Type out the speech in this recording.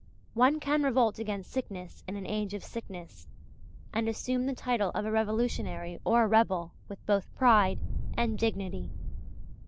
One can revolt against sickness in an age of sickness, and assume the title of a revolutionary or a rebel with both pride and dignity.